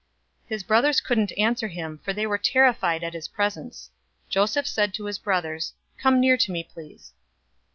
His brothers couldn't answer him; for they were terrified at his presence. 045:004 Joseph said to his brothers, "Come near to me, please."